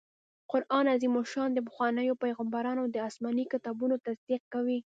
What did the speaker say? قرآن عظيم الشان د پخوانيو پيغمبرانو د اسماني کتابونو تصديق کوي